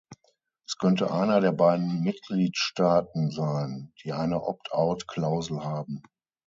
Es könnte einer der beiden Mitgliedstaaten sein, die eine Opt-out-Klausel haben.